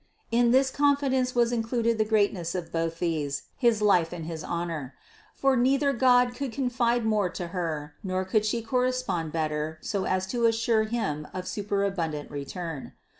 In this confidence was included the greatness of both these, his life and his honor; for neither God could confide more to Her, nor could She correspond better so as to assure Him of superabundant return.